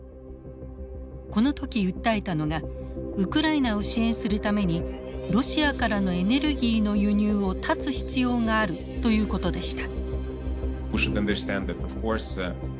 この時訴えたのがウクライナを支援するためにロシアからのエネルギーの輸入を断つ必要があるということでした。